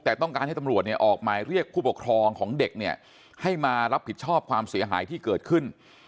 แต่ต้องการให้ตำรวจเนี่ยออกหมายเรียกผู้ปกครองของเด็กเนี่ยให้มารับผิดชอบความเสียหายที่เกิดขึ้น